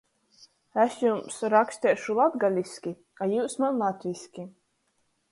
Es jums raksteišu latgaliski, a jius maņ latviski.